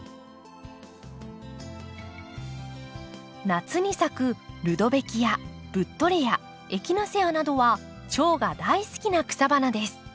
夏に咲くルドベキアブッドレアエキナセアなどはチョウが大好きな草花です。